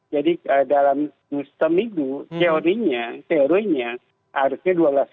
jadi dalam seminggu teorinya harusnya dua belas